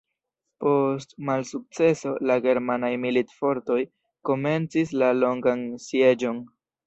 Post malsukceso la germanaj militfortoj komencis la longan sieĝon.